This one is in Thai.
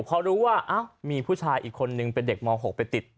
พอรู้ว่ามีผู้ชายอีกคนนึงเป็นเด็กม๖ไปติด